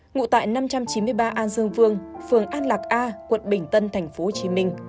ngụ tại năm trăm chín mươi ba an dương vương phường an lạc a quận bình tân tp hcm